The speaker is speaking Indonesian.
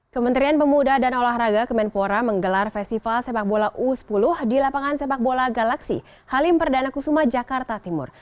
kementerian pemuda dan olahraga kemenpora menggelar festival sepak bola u sepuluh di lapangan sepak bola galaksi halim perdana kusuma jakarta timur